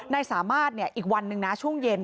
นายสามารถอีกวันนึงนะช่วงเย็น